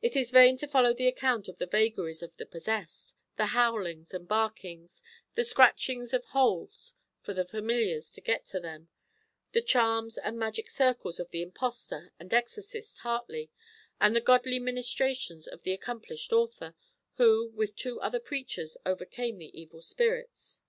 It is vain to follow the account of the vagaries of the possessed, the howlings and barkings, the scratchings of holes for the familiars to get to them, the charms and magic circles of the impostor and exorcist Hartley, and the godly ministrations of the accomplished author, who with two other preachers overcame the evil spirits.